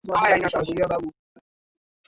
Nawaza yaliyomo kwenye kitabu hiki